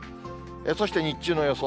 そして日中の予想